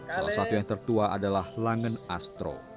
salah satu yang tertua adalah langen astro